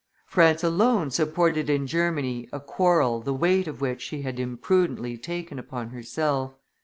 France alone supported in Germany a quarrel the weight of which she had imprudently taken upon herself.